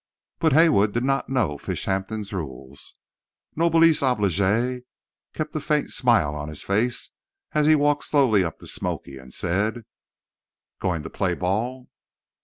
But Haywood did not know Fishampton's rules. Noblesse oblige kept a faint smile on his face as he walked slowly up to "Smoky" and said: "Going to play ball?"